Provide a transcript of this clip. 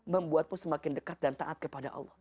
membuatmu semakin dekat dan taat kepada allah